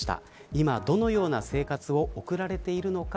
今、どのような生活を送られているのか